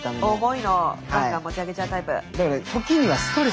重いのガンガン持ち上げちゃうタイプ？